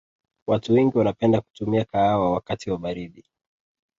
watu wengi wanapenda kutumia kahawa wakati wa baridi